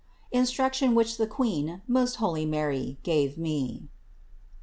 INSTRUCTION WHICH THE QUEEN MOST HOLY MARY GAVE ME.